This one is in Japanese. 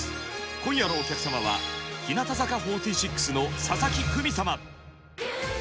今夜のお客様は日向坂４６の佐々木久美様。